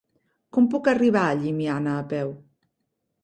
Com puc arribar a Llimiana a peu?